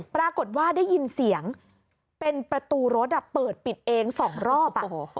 ปรากฏว่าได้ยินเสียงเป็นประตูรถเปิดปิดเอง๒รอบ